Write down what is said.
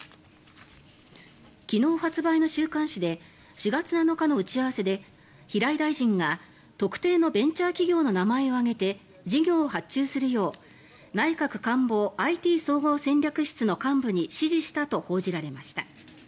昨日発売の週刊誌で４月７日の打ち合わせで平井大臣が特定のベンチャー企業の名前を挙げて事業を発注するよう内閣官房ＩＴ総合戦略室の幹部に指示したと報じられました。